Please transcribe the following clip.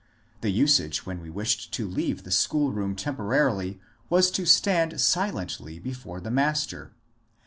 The usage when we wished to leave the schoolroom temporarily was to stand silently before the master.